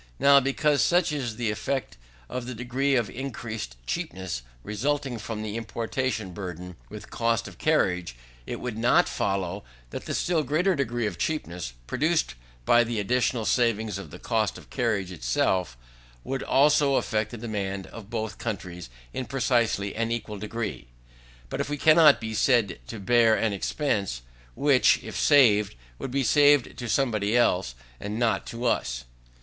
Now, because such is the effect of the degree of increased cheapness resulting from importation burthened with cost of carriage, it would not follow that the still greater degree of cheapness, produced by the additional saving of the cost of carriage itself, would also affect the demand of both countries in precisely an equal degree. But we cannot be said to bear an expense, which, if saved, would be saved to somebody else, and not to us.